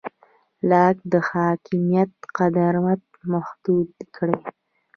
لاک د حاکمیت قدرت محدود کړ.